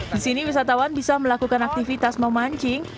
di sini wisatawan bisa melakukan aktivitas memancing